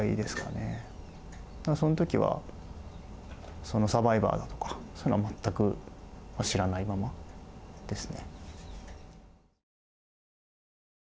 そのときはサバイバーだとかそういうのは全く知らないままですね。